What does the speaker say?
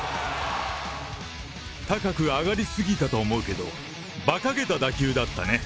高く上がり過ぎたと思うけど、ばかげた打球だったね。